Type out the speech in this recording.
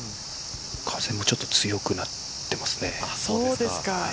風もちょっと強くなってますね。